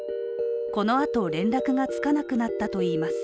このあと連絡がつかなくなったといいます。